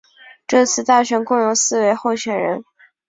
这次大选共有四位候选人。